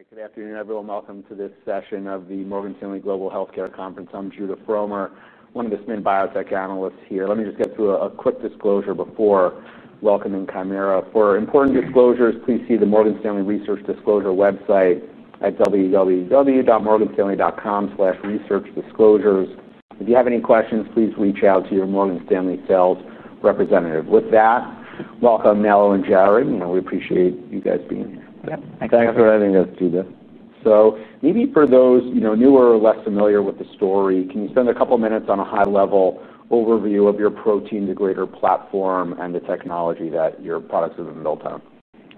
All right. Good afternoon, everyone. Welcome to this session of the Morgan Stanley Global Healthcare Conference. I'm Judah Fromer, one of the STEM biotech analysts here. Let me just get through a quick disclosure before welcoming Kymera. For important disclosures, please see the Morgan Stanley Research Disclosure website at www.morganstanley.com/researchdisclosures. If you have any questions, please reach out to your Morgan Stanley sales representative. With that, welcome Nello and Jared. We appreciate you guys being here. Yeah, thanks for having us, Judah. Maybe for those newer or less familiar with the story, can you spend a couple of minutes on a high-level overview of your protein degrader platform and the technology that your products have been built on?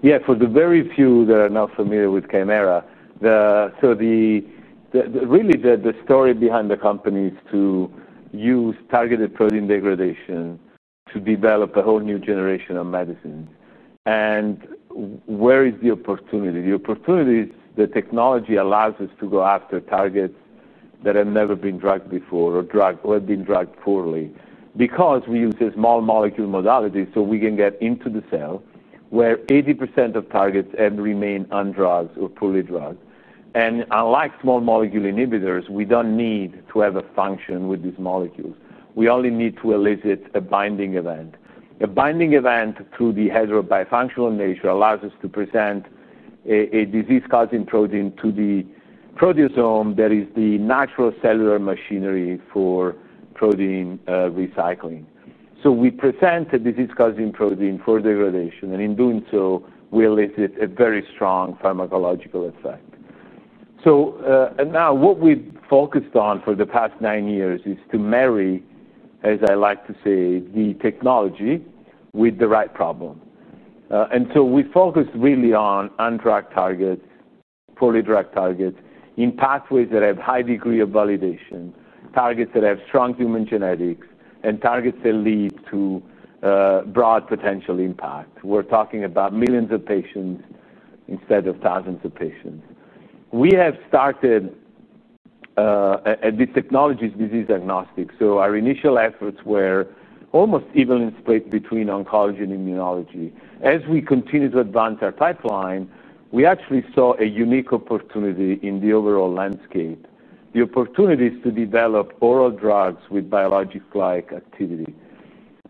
Yeah, for the very few that are not familiar with Kymera, the story behind the company is to use targeted protein degradation to develop a whole new generation of medicine. Where is the opportunity? The opportunity is the technology allows us to go after targets that have never been drugged before or have been drugged poorly because we use a small molecule modality so we can get into the cell where 80% of targets had remain undrugged or poorly drugged. Unlike small molecule inhibitors, we don't need to have a function with this molecule. We only need to elicit a binding event. A binding event to the heterobifunctional nature allows us to present a disease-causing protein to the proteasome that is the natural cellular machinery for protein recycling. We present a disease-causing protein for degradation, and in doing so, we elicit a very strong pharmacological effect. What we've focused on for the past nine years is to marry, as I like to say, the technology with the right problem. We focus really on undrugged targets, poorly drugged targets in pathways that have a high degree of validation, targets that have strong human genetics, and targets that lead to broad potential impact. We're talking about millions of patients instead of thousands of patients. We have started, and this technology is disease agnostic. Our initial efforts were almost evenly split between oncology and immunology. As we continue to advance our pipeline, we actually saw a unique opportunity in the overall landscape. The opportunity is to develop oral drugs with biologic-like activity.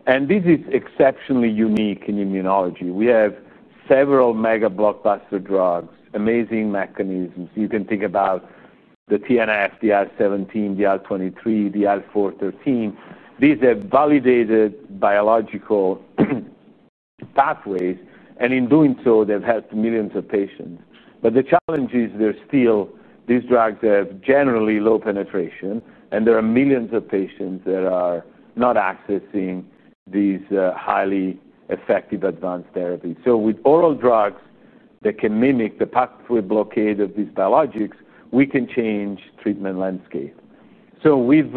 This is exceptionally unique in immunology. We have several mega-blockbuster drugs, amazing mechanisms. You can think about the TNF, the R17, the R23, the R413. These are validated biological pathways, and in doing so, they've helped millions of patients. The challenge is there's still these drugs that have generally low penetration, and there are millions of patients that are not accessing these highly effective advanced therapies. With oral drugs that can mimic the pathway blockade of these biologics, we can change treatment landscape. We've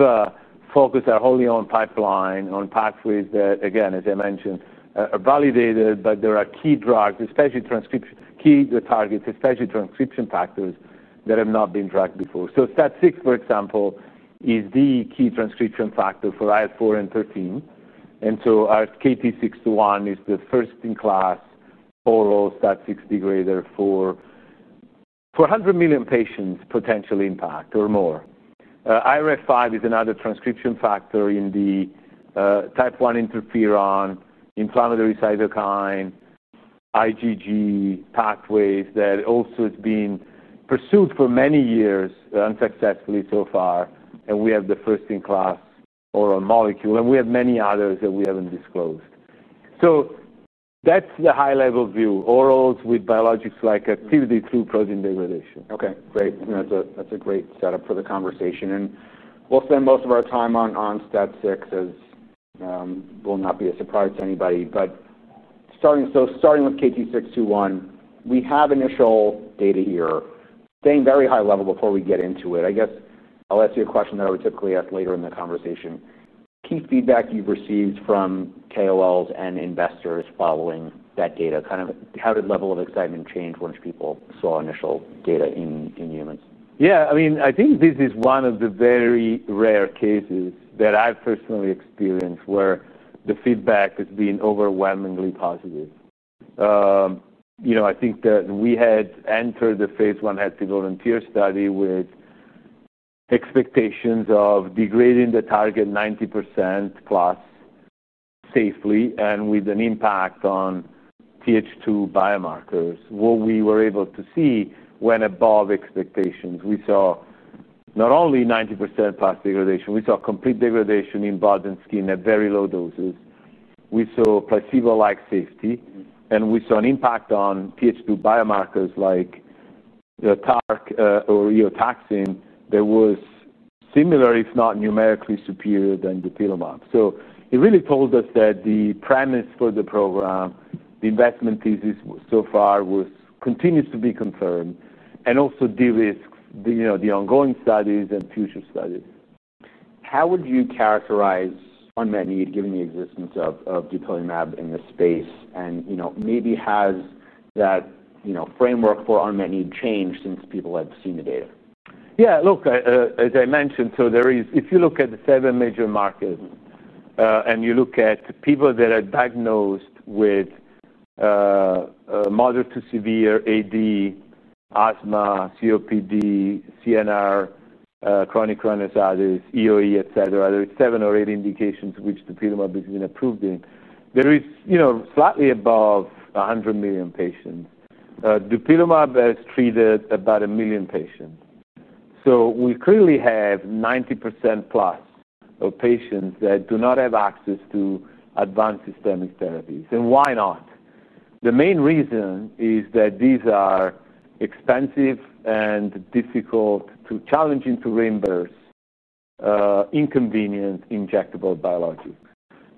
focused our whole pipeline on pathways that, again, as I mentioned, are validated, but there are key drugs, especially transcription, key targets, especially transcription factors that have not been drugged before. STAT6, for example, is the key transcription factor for IL-4 and IL-13. Our KT-621 is the first-in-class oral STAT6 degrader for 100 million patients' potential impact or more. IRF5 is another transcription factor in the Type 1 interferon inflammatory cytokine, IgG pathways that also has been pursued for many years, unsuccessfully so far, and we have the first-in-class oral molecule, and we have many others that we haven't disclosed. That's the high-level view: orals with biologics-like activity through protein degradation. Okay, great. That's a great setup for the conversation. We'll spend most of our time on STAT6, as it will not be a surprise to anybody. Starting with KT-621, we have initial data here. Staying very high-level before we get into it, I guess I'll ask you a question that I would typically ask later in the conversation. Key feedback you've received from KOLs and investors following that data, kind of how did level of excitement change once people saw initial data in humans? Yeah, I mean, I think this is one of the very rare cases that I've personally experienced where the feedback has been overwhelmingly positive. I think that we had entered the phase I healthy volunteer study with expectations of degrading the target 90%+ safely and with an impact on TH2 biomarkers. What we were able to see went above expectations. We saw not only 90%+ degradation, we saw complete degradation in blood and skin at very low doses. We saw placebo-like safety, and we saw an impact on TH2 biomarkers like TARC or EOTAXIN that was similar, if not numerically superior, to Dupilumab. It really told us that the premise for the program, the investment thesis so far continues to be confirmed and also de-risked the ongoing studies and future studies. How would you characterize unmet need, given the existence of Dupilumab in the space? Has that framework for unmet need changed since people have seen the data? Yeah, look, as I mentioned, if you look at the seven major markets and you look at people that are diagnosed with moderate to severe AD, Asthma, COPD, CNR, Chronic rhinitis, EoE, et cetera, there are seven or eight indications which Dupilumab has been approved in. There is slightly above 100 million patients. Dupilumab has treated about a million patients. We clearly have 90%+ of patients that do not have access to advanced systemic therapies. Why not? The main reason is that these are expensive and difficult, challenging to reimburse, inconvenient injectable biologics.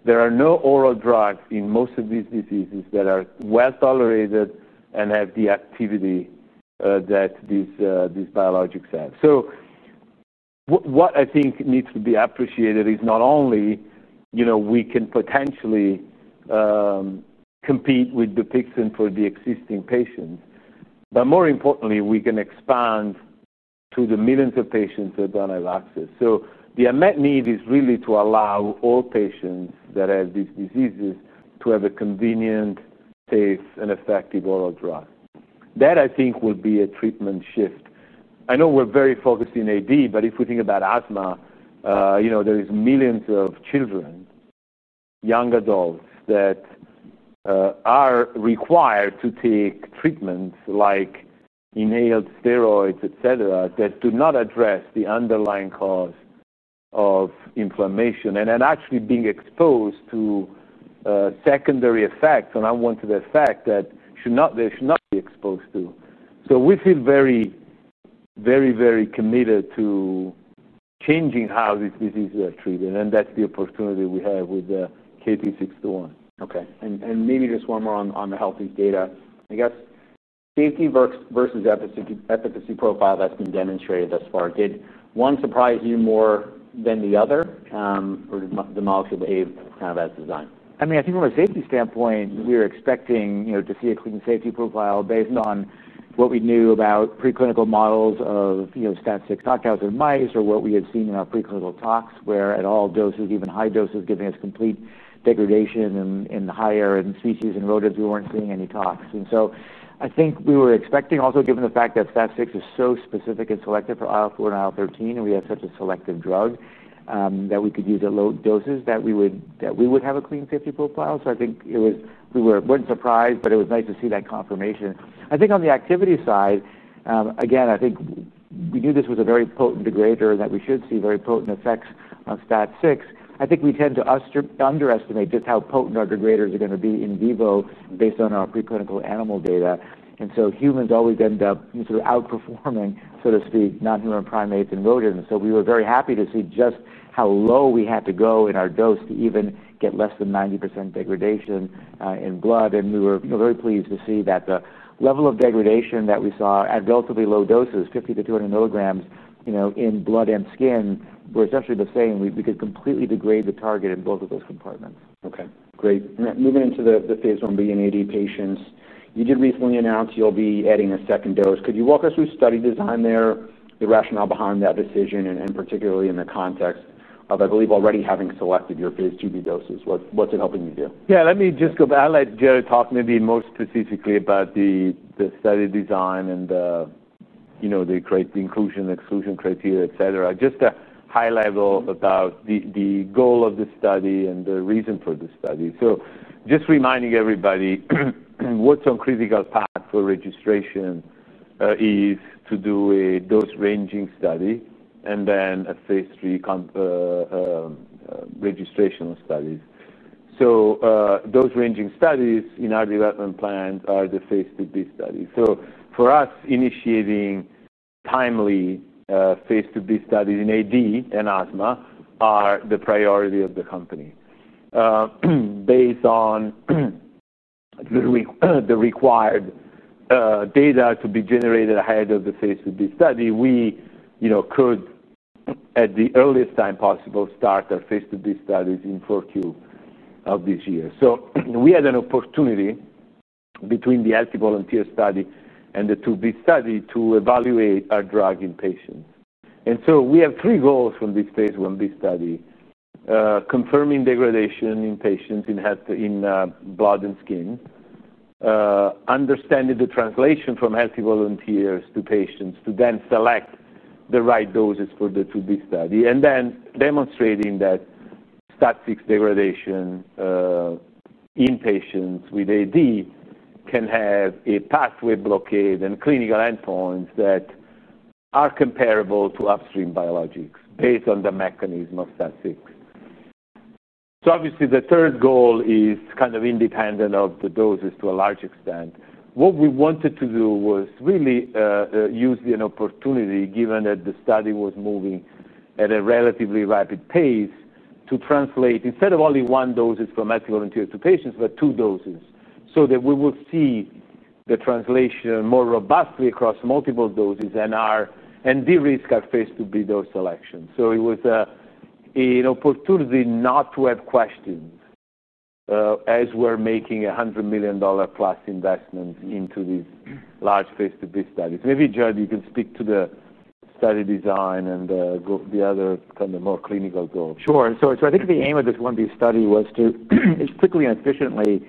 There are no oral drugs in most of these diseases that are well tolerated and have the activity that these biologics have. What I think needs to be appreciated is not only, you know, we can potentially compete with Dupixent for the existing patients, but more importantly, we can expand to the millions of patients that don't have access. The unmet need is really to allow all patients that have these diseases to have a convenient, safe, and effective oral drug. That I think will be a treatment shift. I know we're very focused in AD, but if we think about asthma, there are millions of children, young adults that are required to take treatments like inhaled steroids, et cetera, that do not address the underlying cause of inflammation and are actually being exposed to secondary effects and unwanted effects that they should not be exposed to. We feel very, very, very committed to changing how these diseases are treated, and that's the opportunity we have with the KT-621. Okay. Maybe just one more on the health of data. I guess safety versus efficacy profile that's been demonstrated thus far, did one surprise you more than the other, or did the molecule behave kind of as designed? I mean, I think from a safety standpoint, we were expecting to see a clean safety profile based on what we knew about preclinical models of STAT6 knockouts in mice or what we had seen in our preclinical tox where at all doses, even high doses, giving us complete degradation in higher species and rodents, we weren't seeing any toxin. I think we were expecting also, given the fact that STAT6 is so specific and selective for IL-4 and IL-13, and we have such a selective drug that we could use at low doses, that we would have a clean safety profile. I think we weren't surprised, but it was nice to see that confirmation. I think on the activity side, again, I think we knew this was a very potent degrader and that we should see very potent effects on STAT6. I think we tend to underestimate just how potent our degraders are going to be in vivo based on our preclinical animal data. Humans always end up sort of outperforming, so to speak, non-human primates and rodents. We were very happy to see just how low we had to go in our dose to even get less than 90% degradation in blood. We were very pleased to see that the level of degradation that we saw at relatively low doses, 50-200 mg, you know, in blood and skin, were essentially the same. We could completely degrade the target in both of those compartments. Okay, great. Moving into the phase I-B in AD patients, you did recently announce you'll be adding a second dose. Could you walk us through study design there, the rationale behind that decision, and particularly in the context of, I believe, already having selected your phase II-B doses? What's it helping you do? Yeah, let me just go back. I'll let Jared talk maybe more specifically about the study design and the, you know, the inclusion and exclusion criteria, et cetera, just a high level about the goal of the study and the reason for the study. Just reminding everybody, what's on the critical path for registration is to do a dose-ranging study and then a phase III registration study. Those ranging studies in our development plans are phase II-B studies. For us, initiating phase II-B studies in AD and asthma are the priority of the company. Based on the required data to be generated ahead of phase II-B study, we could, at the earliest time possible, start phase II-B studies in Q4 of this year. We had an opportunity between the healthy volunteer study and the phase II-B study to evaluate our drug in patients. We have three goals from phase I-B study: confirming degradation in patients in blood and skin, understanding the translation from healthy volunteers to patients to then select the right doses for the phase II-B study, and then demonstrating that STAT6 degradation in patients with AD can have a pathway blockade and clinical endpoints that are comparable to upstream biologics based on the mechanism of STAT6. Obviously, the third goal is kind of independent of the doses to a large extent. What we wanted to do was really use the opportunity, given that the study was moving at a relatively rapid pace, to translate, instead of only one dose for medical volunteers to patients, but two doses so that we will see the translation more robustly across multiple doses and de-risk phase II-B dose selection. It was an opportunity not to have questions as we're making a $100 million plus investment into these phase II-B studies. Maybe, Jared, you can speak to the study design and the other kind of more clinical goals. Sure. I think the aim of this phase I-B study was to strictly and efficiently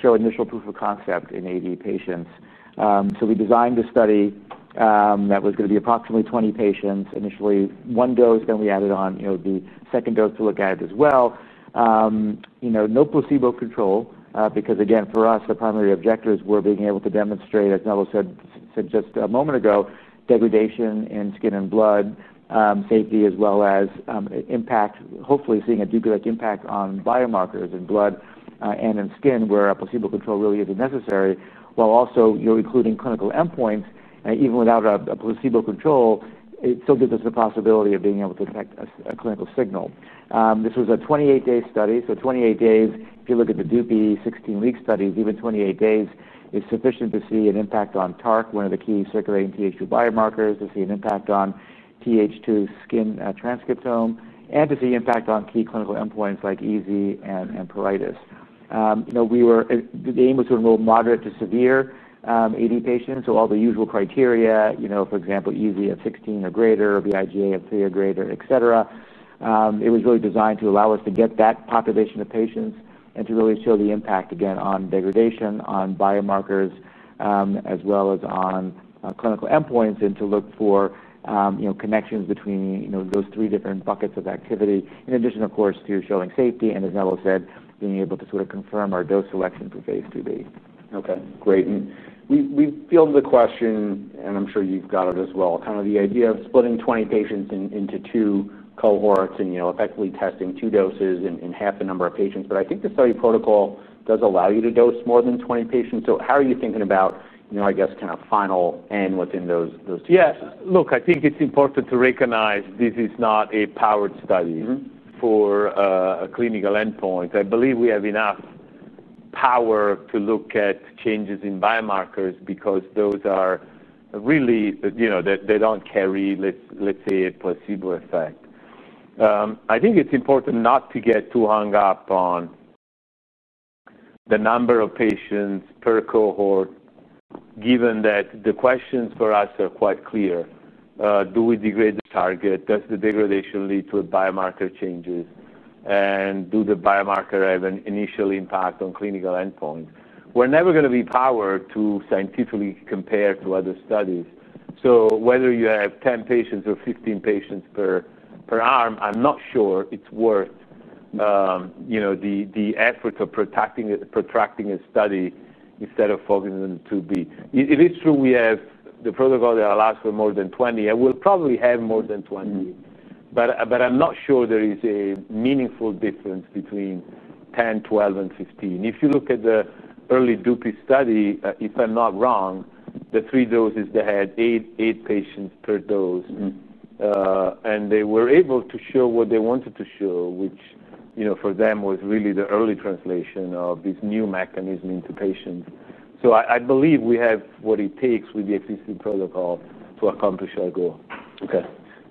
show initial proof of concept in AD patients. We designed the study that was going to be approximately 20 patients initially, one dose, then we added on the second dose to look at it as well. No placebo control because, again, for us, the primary objectives were being able to demonstrate, as Nello said just a moment ago, degradation in skin and blood safety, as well as impact, hopefully seeing a duplicate impact on biomarkers in blood and in skin where a placebo control really isn't necessary, while also including clinical endpoints. Even without a placebo control, it still gives us the possibility of being able to detect a clinical signal. This was a 28-day study. 28 days, if you look at the Dupilumab 16-week studies, even 28 days is sufficient to see an impact on TARC, one of the key circulating TH2 biomarkers, to see an impact on TH2 skin transcriptome, and to see an impact on key clinical endpoints like EASI and pruritus. The aim was to enroll moderate to severe AD patients, so all the usual criteria, for example, EASI of 16 or greater, vIGA of 3 or greater, et cetera It was really designed to allow us to get that population of patients and to really show the impact, again, on degradation, on biomarkers, as well as on clinical endpoints, and to look for connections between those three different buckets of activity, in addition, of course, to showing safety and, as Nello said, being able to sort of confirm our dose selection for phase II-B. Okay, great. We've fielded the question, and I'm sure you've got it as well, kind of the idea of splitting 20 patients into two cohorts and effectively testing two doses in half the number of patients. I think the study protocol does allow you to dose more than 20 patients. How are you thinking about, you know, I guess, kind of final end within those two? Yeah, look, I think it's important to recognize this is not a powered study for a clinical endpoint. I believe we have enough power to look at changes in biomarkers because those are really, you know, they don't carry, let's say, a placebo effect. I think it's important not to get too hung up on the number of patients per cohort, given that the questions for us are quite clear. Do we degrade the target? Does the degradation lead to biomarker changes? And do the biomarker have an initial impact on clinical endpoints? We're never going to be powered to scientifically compare to other studies. Whether you have 10 patients or 15 patients per arm, I'm not sure it's worth, you know, the effort of protracting a study instead of focusing on phase II-B. It is true we have the protocol that allows for more than 20, and we'll probably have more than 20. I'm not sure there is a meaningful difference between 10, 12, and 15. If you look at the early Dupilumab study, if I'm not wrong, the three doses, they had eight patients per dose. They were able to show what they wanted to show, which, you know, for them was really the early translation of this new mechanism into patients. I believe we have what it takes with the existing protocol to accomplish our goal. Okay.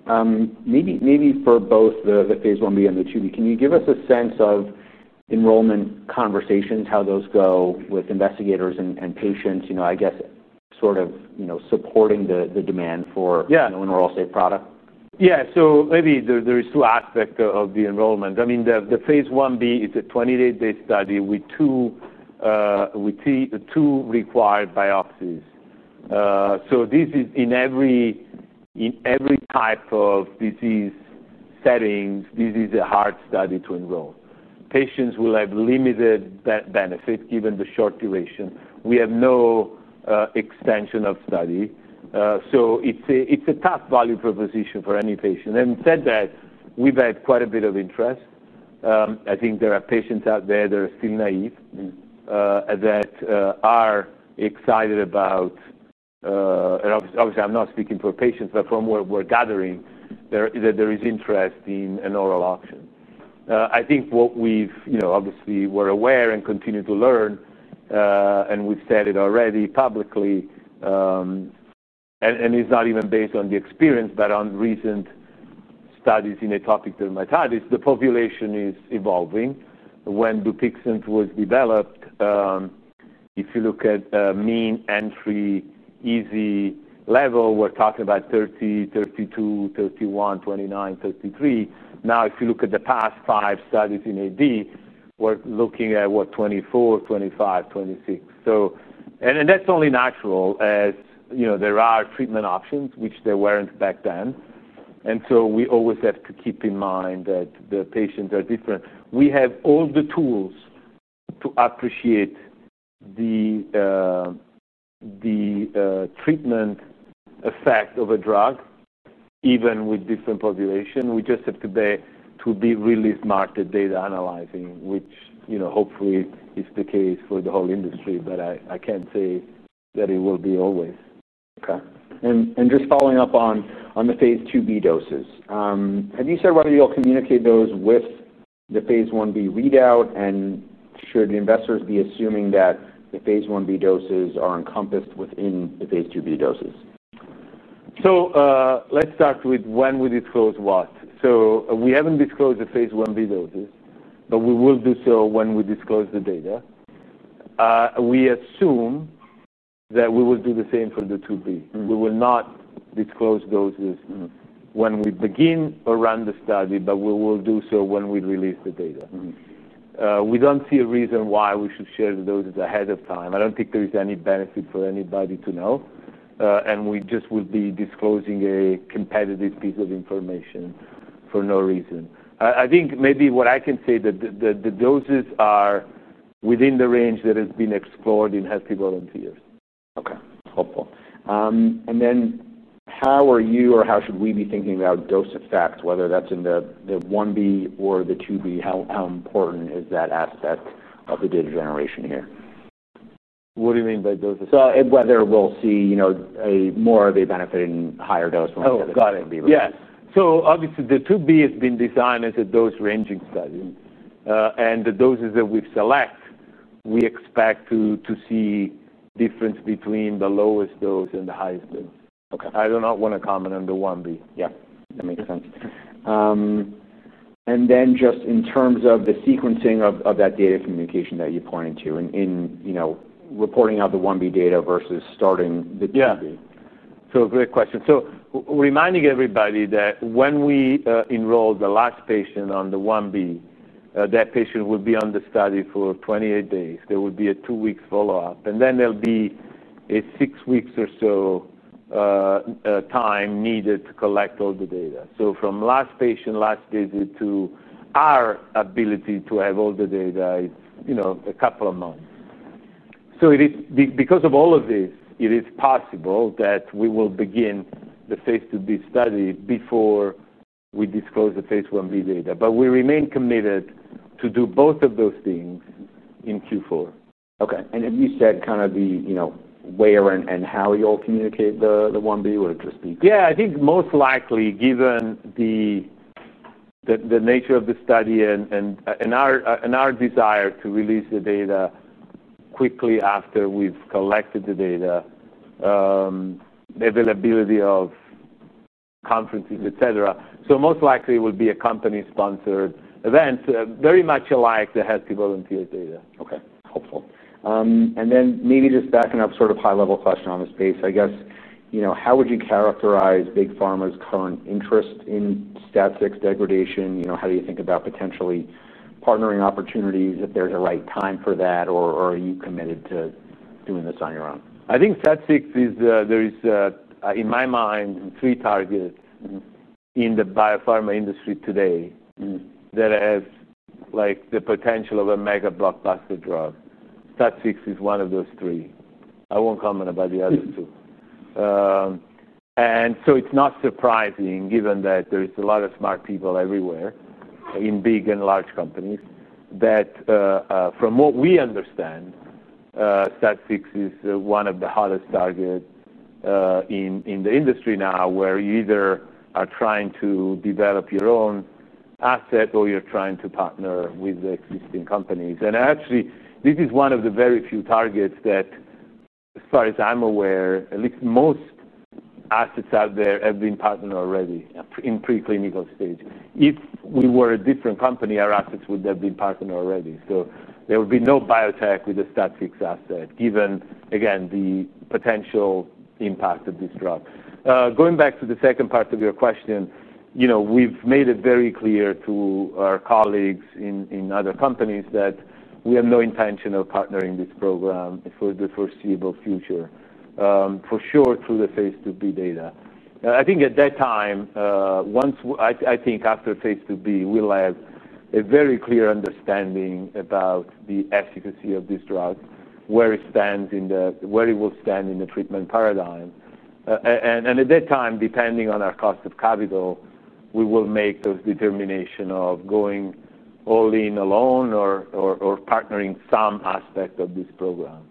Maybe for both phase I-B and the phase II-B, can you give us a sense of enrollment conversations, how those go with investigators and patients, supporting the demand for an oral safe product? Yeah. Maybe there are two aspects of the enrollment. phase I-B is a 28-day study with two required biopsies. This is, in every type of disease setting, a hard study to enroll. Patients will have limited benefit given the short duration. We have no extension of study. It's a tough value proposition for any patient. Having said that, we've had quite a bit of interest. I think there are patients out there that are still naive that are excited about, and obviously, I'm not speaking for patients, but from what we're gathering, there is interest in an oral option. I think we're aware and continue to learn, and we've said it already publicly, and it's not even based on the experience, but on recent studies in atopic dermatitis, the population is evolving. When Dupixent was developed, if you look at mean entry EZ level, we're talking about 30, 32, 31, 29, 33. Now, if you look at the past five studies in AD, we're looking at, what, 24, 25, 26. That's only natural as there are treatment options, which there weren't back then. We always have to keep in mind that the patients are different. We have all the tools to appreciate the treatment effect of a drug, even with different populations. We just have to be really smart at data analyzing, which hopefully is the case for the whole industry, but I can't say that it will be always. Okay. Just following up on phase II-B doses, have you started running or communicated those with phase I-B readout, and should investors be assuming that phase I-B doses are encompassed within phase II-B doses? Let's start with when we disclose what. We haven't disclosed phase I-B doses, but we will do so when we disclose the data. We assume that we will do the same the phase II-B. we will not disclose those when we begin or run the study, but we will do so when we release the data. We don't see a reason why we should share the doses ahead of time. I don't think there is any benefit for anybody to know. We just would be disclosing a competitive piece of information for no reason. I think maybe what I can say is that the doses are within the range that has been explored in healthy volunteers. Okay, helpful. How are you or how should we be thinking about dose effect, whether that's in the phase I-B or the phase II-B? How important is that aspect of the data generation here? What do you mean by dose effect? Whether we'll see more of a benefit in higher dose when we get to the phase II-B. Got it. Yeah, the phase II-B has been designed as a dose-ranging study, and the doses that we select, we expect to see a difference between the lowest dose and the highest dose. Okay. I do not want to comment on the phase I-B. Yeah, that makes sense. In terms of the sequencing of that data communication that you pointed to, you know, reporting out the phase I-B data versus starting the phase II-B. Yeah. Great question. Reminding everybody that when we enroll the last patient on the phase I-B, that patient would be on the study for 28 days. There would be a two-week follow-up, and then there'll be a six weeks or so time needed to collect all the data. From last patient, last visit to our ability to have all the data, it's, you know, a couple of months. It is because of all of this, it is possible that we will begin phase II-B study before we disclose phase I-B data. We remain committed to do both of those things in Q4. Okay. Have you said kind of the, you know, where and how you'll communicate the phase I-B? Would it just be? I think most likely, given the nature of the study and our desire to release the data quickly after we've collected the data, the availability of conferences, et cetera, it will be a company-sponsored event, very much alike the healthy volunteer data. Okay, helpful. Maybe just backing up, sort of high-level question on this space. I guess, you know, how would you characterize Big Pharma's current interest in STAT6 degradation? You know, how do you think about potentially partnering opportunities if there's a right time for that, or are you committed to doing this on your own? I think STAT6 is, there is, in my mind, three targets in the biopharma industry today that have the potential of a mega-blockbuster drug. STAT6 is one of those three. I won't comment about the other two. It is not surprising, given that there are a lot of smart people everywhere in big and large companies, that from what we understand, STAT6 is one of the hottest targets in the industry now where you either are trying to develop your own asset or you're trying to partner with the existing companies. Actually, this is one of the very few targets that, as far as I'm aware, at least most assets out there have been partnered already in preclinical stage. If we were a different company, our assets would have been partnered already. There would be no biotech with a STAT6 asset given, again, the potential impact of this drug. Going back to the second part of your question, we've made it very clear to our colleagues in other companies that we have no intention of partnering this program for the foreseeable future, for sure, through phase II-B data. I think at that time, once I think phase II-B, we'll have a very clear understanding about the efficacy of this drug, where it stands in the, where it will stand in the treatment paradigm. At that time, depending on our cost of capital, we will make those determinations of going all in alone or partnering some aspect of this program.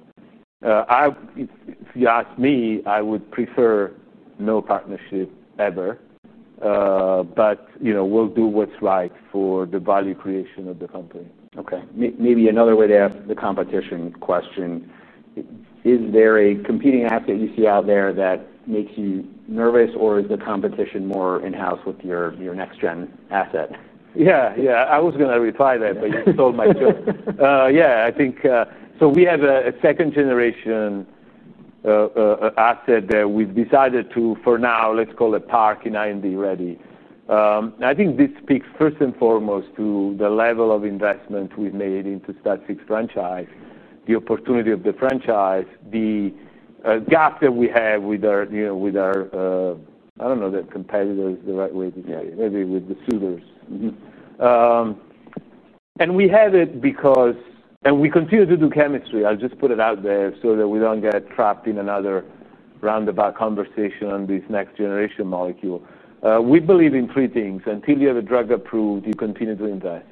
If you ask me, I would prefer no partnership ever. We'll do what's right for the value creation of the company. Okay. Maybe another way to ask the competition question, is there a competing asset you see out there that makes you nervous, or is the competition more in-house with your next-gen asset? Yeah, yeah. I was going to reply to that, but you stole my joke. I think we have a second-generation asset that we've decided to, for now, let's call it PARC in I&D ready. I think this speaks first and foremost to the level of investment we've made into the STAT6 franchise, the opportunity of the franchise, the gap that we have with our, you know, with our, I don't know that competitors is the right way to say it, maybe with the Silvers. We have it because we continue to do chemistry. I'll just put it out there so that we don't get trapped in another roundabout conversation on this next-generation molecule. We believe in three things. Until you have a drug approved, you continue to invest.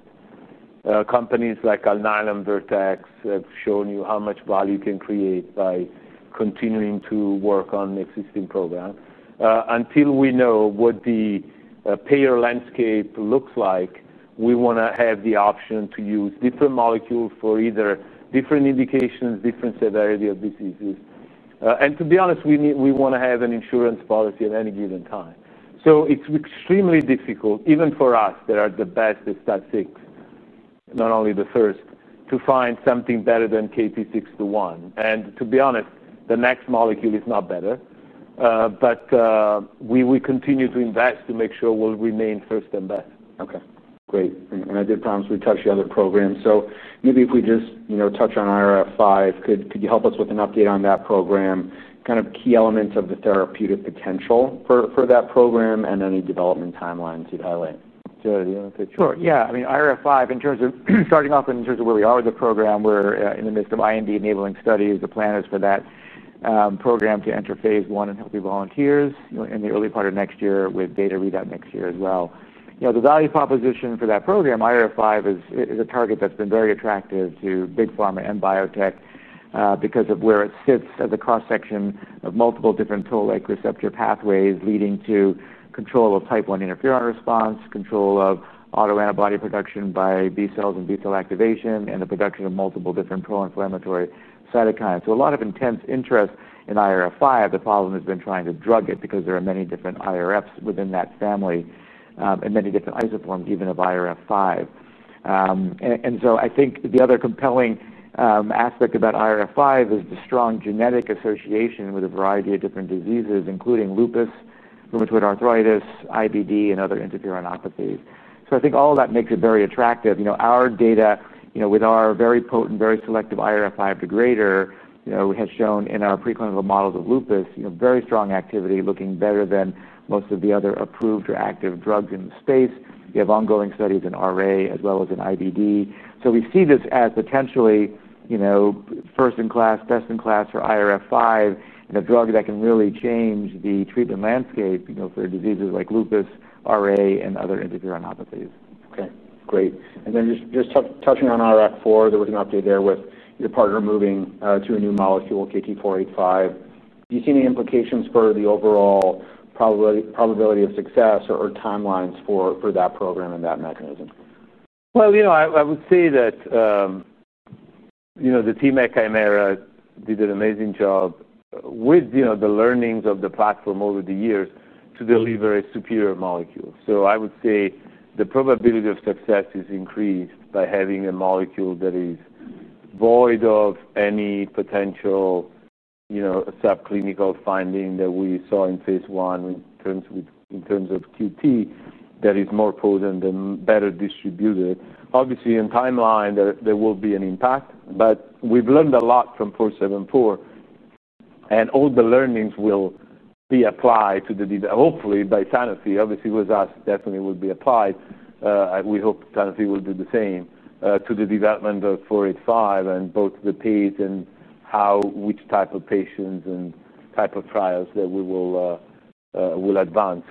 Companies like Alnylam, Vertex have shown you how much value you can create by continuing to work on the existing program. Until we know what the payer landscape looks like, we want to have the option to use different molecules for either different indications, different severity of diseases. To be honest, we want to have an insurance policy at any given time. It's extremely difficult, even for us that are the best at STAT6, not only the first, to find something better than KT-621. To be honest, the next molecule is not better. We will continue to invest to make sure we'll remain first and best. Okay, great. I did promise we'd touch the other programs. Maybe if we just touch on IRF5, could you help us with an update on that program, kind of key elements of the therapeutic potential for that program and any development timelines you'd highlight? Sure. Yeah, I mean, IRF5, in terms of starting off in terms of where we are with the program, we're in the midst of IND-enabling studies. The plan is for that program to enter phase I in healthy volunteers in the early part of next year with data readout next year as well. You know, the value proposition for that program, IRF5, is a target that's been very attractive to big pharma and biotech because of where it sits at the cross-section of multiple different toll-like receptor pathways leading to control of Type 1 interferon response, control of autoantibody production by B cells and B cell activation, and the production of multiple different pro-inflammatory cytokines. A lot of intense interest in IRF5. The problem has been trying to drug it because there are many different IRFs within that family and many different isoforms even of IRF5. I think the other compelling aspect about IRF5 is the strong genetic association with a variety of different diseases, including lupus, rheumatoid arthritis, IBD, and other interferonopathy. I think all of that makes it very attractive. Our data, with our very potent, very selective IRF5 degrader, we had shown in our preclinical models of lupus very strong activity looking better than most of the other approved or active drugs in the space. We have ongoing studies in rheumatoid arthritis as well as in IBD. We see this as potentially first-in-class, best-in-class for IRF5 and a drug that can really change the treatment landscape for diseases like lupus, rheumatoid arthritis, and other interferonopathies. Okay, great. Just touching on IRF4, there was an update there with your partner moving to a new molecule, KT-485. Do you see any implications for the overall probability of success or timelines for that program and that mechanism? I would say that the team at Kymera did an amazing job with the learnings of the platform over the years to deliver a superior molecule. I would say the probability of success is increased by having a molecule that is void of any potential subclinical finding that we saw in phase I in terms of QT, that is more potent and better distributed. Obviously, in timeline, there will be an impact, but we've learned a lot from KT-474 and all the learnings will be applied to the development, hopefully by Sanofi. Obviously, with us, definitely will be applied. We hope Sanofi will do the same to the development of KT-485 and both the patient and how, which type of patients and type of trials that we will advance.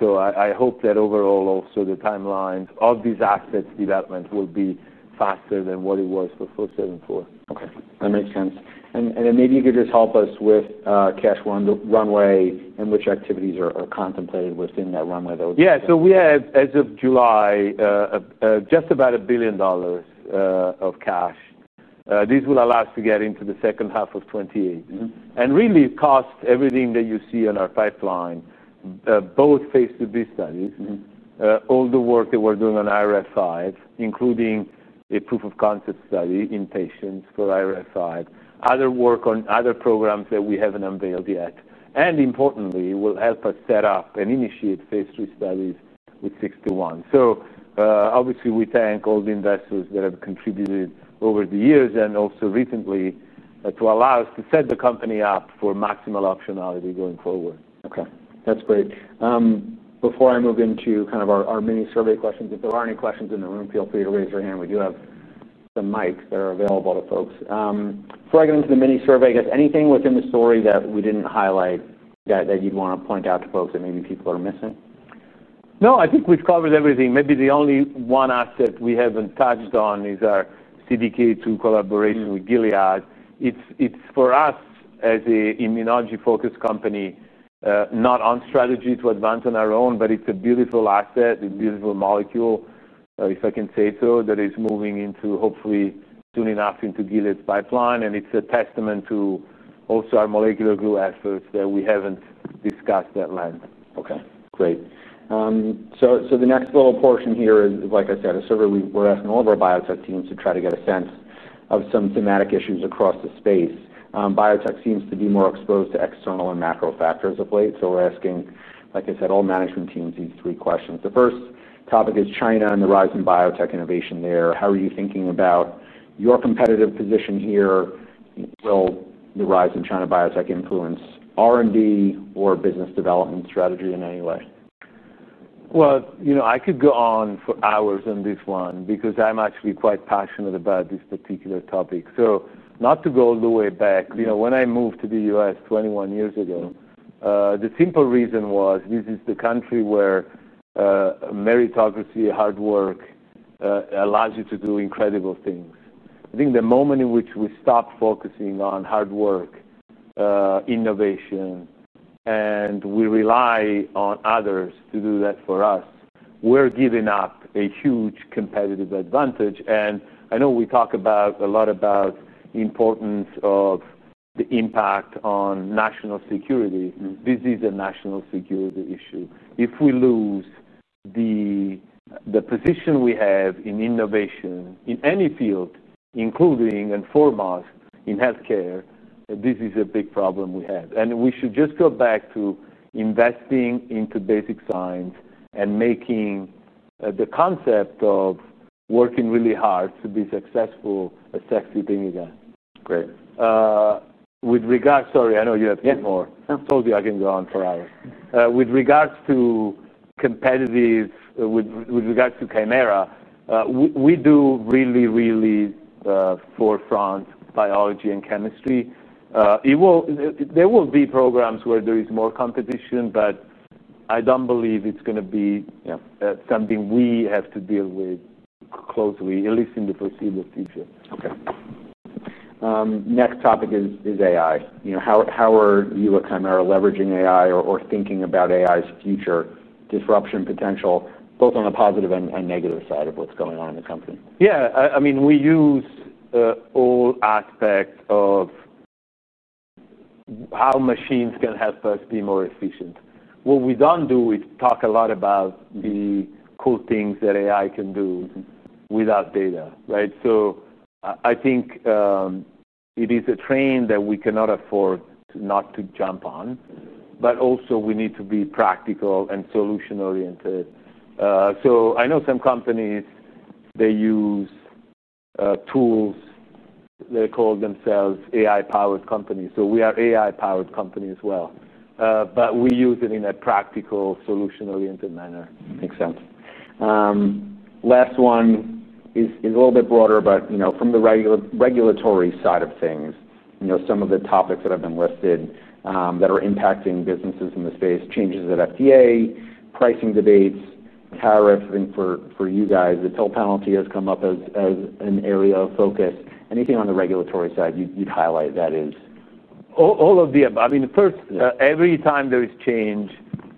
I hope that overall also the timelines of these assets' development will be faster than what it was for KT-474. Okay, that makes sense. Maybe you could just help us with cash runway and which activities are contemplated within that runway though. Yeah, so we have, as of July, just about $1 billion of cash. This will allow us to get into the second half of 2028 and really task everything that you see in our pipeline, both phase II-B studies, all the work that we're doing on IRF5, including a proof of concept study in patients for IRF5, other work on other programs that we haven't unveiled yet, and importantly, will help us set up and initiate phase III studies with KT-621. Obviously, we thank all the investors that have contributed over the years and also recently to allow us to set the company up for maximal optionality going forward. Okay, that's great. Before I move into kind of our mini survey questions, if there are any questions in the room, feel free to raise your hand. We do have the mics that are available to folks. Before I get into the mini survey, is there anything within the story that we didn't highlight that you'd want to point out to folks that maybe people are missing? No, I think we've covered everything. Maybe the only one asset we haven't touched on is our CDK2 collaboration with Gilead. It's for us as an immunology-focused company, not on strategy to advance on our own, but it's a beautiful asset, a beautiful molecule, if I can say so, that is moving into, hopefully, soon enough into Gilead's pipeline. It's a testament to also our molecular goal efforts that we haven't discussed at length. Okay, great. The next little portion here is, like I said, a survey we're asking all of our biotech teams to try to get a sense of some thematic issues across the space. Biotech seems to be more exposed to external and macro factors of late. We're asking, like I said, all management teams these three questions. The first topic is China and the rise in biotech innovation there. How are you thinking about your competitive position here? Will the rise in China biotech influence R&D or business development strategy in any way? I could go on for hours on this one because I'm actually quite passionate about this particular topic. Not to go all the way back, you know, when I moved to the U.S. 21 years ago, the simple reason was this is the country where meritocracy, hard work allows you to do incredible things. I think the moment in which we stop focusing on hard work, innovation, and we rely on others to do that for us, we're giving up a huge competitive advantage. I know we talk a lot about the importance of the impact on national security. This is a national security issue. If we lose the position we have in innovation in any field, including and foremost in healthcare, this is a big problem we have. We should just go back to investing into basic science and making the concept of working really hard to be successful a sexy thing again. Great. With regards, sorry, I know you have more. Told you I can go on for hours. With regards to competitive, with regards to Kymera, we do really, really forefront biology and chemistry. There will be programs where there is more competition, but I don't believe it's going to be something we have to deal with closely, at least in the foreseeable future. Okay. Next topic is AI. How are you at Kymera leveraging AI or thinking about AI's future disruption potential, both on the positive and negative side of what's going on in the company? Yeah, I mean, we use all aspects of how machines can help us be more efficient. What we don't do is talk a lot about the cool things that AI can do without data, right? I think it is a train that we cannot afford not to jump on, but we need to be practical and solution-oriented. I know some companies use tools, they call themselves AI-powered companies. We are an AI-powered company as well, but we use it in a practical, solution-oriented manner. Makes sense. Last one is a little bit broader, but you know, from the regulatory side of things, some of the topics that have been listed that are impacting businesses in the space, changes at FDA, pricing debates, tariff, I think for you guys, the toll penalty has come up as an area of focus. Anything on the regulatory side you'd highlight that is? All of the above. First, every time there is change,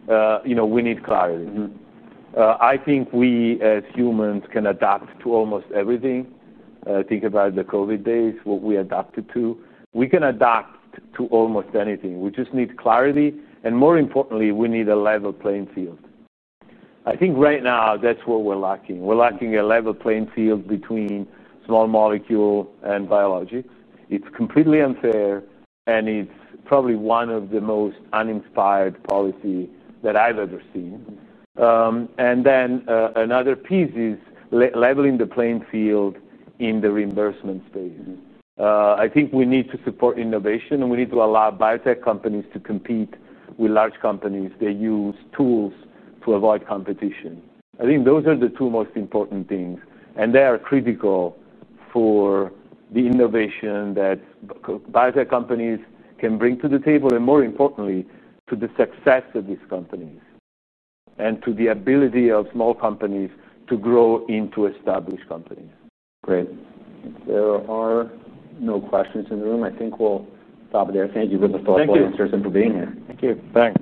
we need clarity. I think we, as humans, can adapt to almost everything. Think about the COVID days, what we adapted to. We can adapt to almost anything. We just need clarity. More importantly, we need a level playing field. I think right now, that's where we're lacking. We're lacking a level playing field between small molecules and biologics. It's completely unfair, and it's probably one of the most uninspired policies that I've ever seen. Another piece is leveling the playing field in the reimbursement space. I think we need to support innovation, and we need to allow biotech companies to compete with large companies that use tools to avoid competition. I think those are the two most important things, and they are critical for the innovation that biotech companies can bring to the table, and more importantly, to the success of these companies and to the ability of small companies to grow into established companies. Great. There are no questions in the room. I think we'll stop it there. Thank you for the thoughtful answers and for being here. Thank you. Thank you.